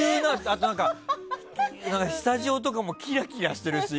あと、スタジオとかもキラキラしてるし。